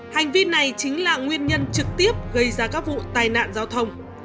hành vi này chính là nguyên nhân trực tiếp gây ra các vụ tai nạn giao thông